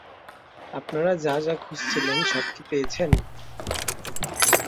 আপনারা যা যা খুঁজছিলেন, সব কি পেয়েছেন?